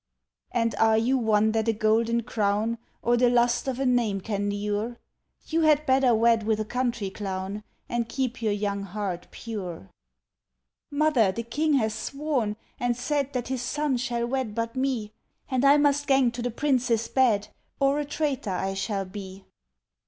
"And are you one that a golden crown, Or the lust of a name can lure? You had better wed with a country clown, And keep your young heart pure." "Mother, the King has sworn, and said That his son shall wed but me; And I must gang to the prince's bed, Or a traitor I shall be."